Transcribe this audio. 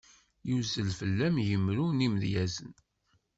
Yuzzel fell-am yimru n yimedyazen.